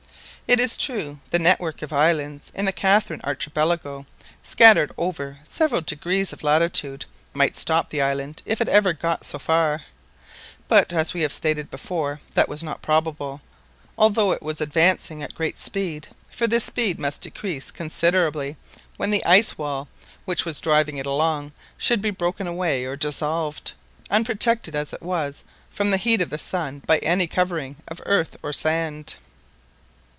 It is true the network of islands in the Catherine Archipelago, scattered over several degrees of latitude, might stop the island if it ever got so far. But, as we have before stated, that was not probable, although it was advancing at great speed; for this speed must decrease considerably when the ice wall which was driving it along should be broken away or dissolved, unprotected as it was from the heat of the sun by any covering of earth or sand.